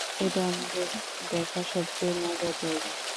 এটা আমাদের দেখা সবচেয়ে মজার জায়গা।